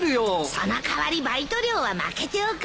その代わりバイト料はまけておくよ。